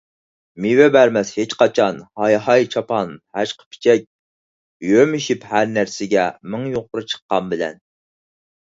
مېۋە بەرمەس ھېچقاچان ھاي - ھاي چاپان ھەشقىپىچەك، يۆمىشىپ ھەرنەرسىگە مىڭ يۇقىرى چىققان بىلەن.